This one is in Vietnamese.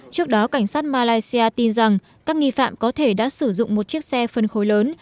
trước đó cảnh sát malaysia tin rằng các nghi phạm có thể đã sử dụng một chiếc xe phân khối lớn